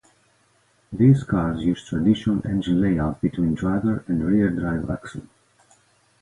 These cars use traditional engine layout between driver and rear drive axle.